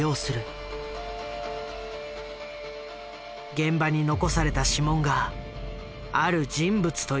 現場に残された指紋がある人物と一致した。